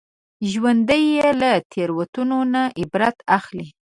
ژوندي له تېروتنو نه عبرت اخلي